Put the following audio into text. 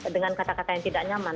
dengan kata kata yang tidak nyaman